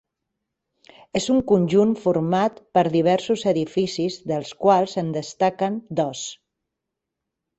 És un conjunt format per diversos edificis dels quals en destaquen dos.